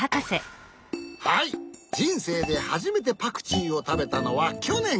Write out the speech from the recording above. はいじんせいではじめてパクチーをたべたのはきょねん！